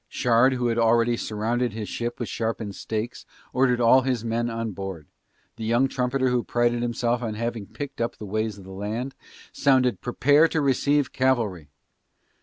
Shard who had already surrounded his ship with sharpened stakes ordered all his men on board, the young trumpeter who prided himself on having picked up the ways of the land, sounded "Prepare to receive cavalry".